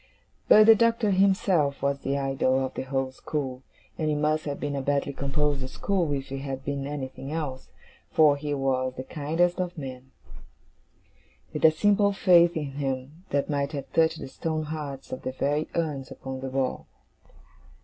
But the Doctor himself was the idol of the whole school: and it must have been a badly composed school if he had been anything else, for he was the kindest of men; with a simple faith in him that might have touched the stone hearts of the very urns upon the wall.